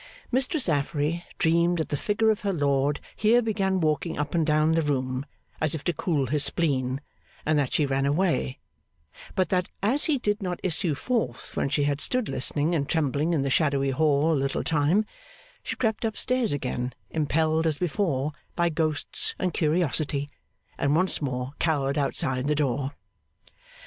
Mistress Affery dreamed that the figure of her lord here began walking up and down the room, as if to cool his spleen, and that she ran away; but that, as he did not issue forth when she had stood listening and trembling in the shadowy hall a little time, she crept up stairs again, impelled as before by ghosts and curiosity, and once more cowered outside the door.